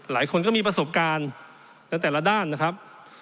หลายคนก็มีประสบการณ์ในแต่ละด้านนะครับ